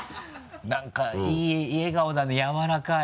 何かいい笑顔だね柔らかい。